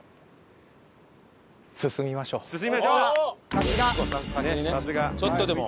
さすが！先にねちょっとでも。